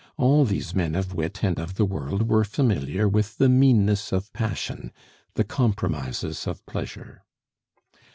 All these men of wit and of the world were familiar with the meanness of passion, the compromises of pleasure.